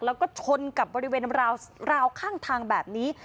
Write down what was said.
แล้วก็ชนกับบริเวณราวข้างทางแบบนี้